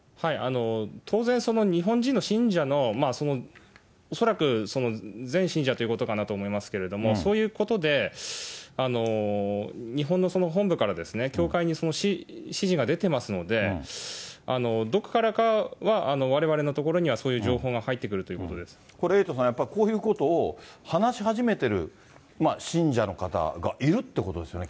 当然その日本人の信者の、恐らく全信者ということかなと思いますけれども、そういうことで、日本の本部から教会に指示が出てますので、どこからかは、われわれのところにはそういう情報が入ってくるとこれ、エイトさん、こういうことを話し始めてる信者の方がいるっていうことですよね、